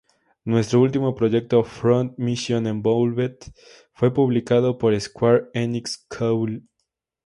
Nuestro último proyecto, Front Mission Evolved™, fue publicado por Square Enix Co., Ltd.